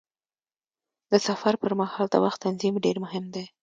د سفر پر مهال د وخت تنظیم ډېر مهم دی.